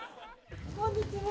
こんにちは。